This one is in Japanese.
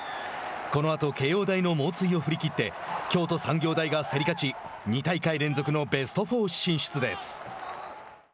このあと慶応大の猛追を振り切って京都産業大が競り勝ち２大会連続のベスト４進出です。